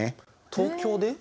東京で？